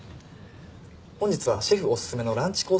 本日はシェフおすすめのランチコース